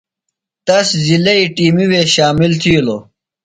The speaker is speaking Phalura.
تس ضلعئی ٹِیمی وے شامل تِھیلوۡ۔